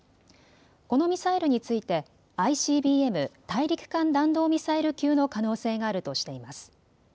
このミサイルについてＩＣＢＭ・大陸間弾道ミサイル級の可能性があるとしています。